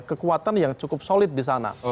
kekuatan yang cukup solid disana